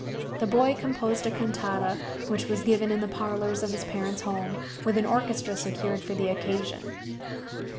The boy composed a cantata, which was given in the parlors of his parents' home, with an orchestra secured for the occasion.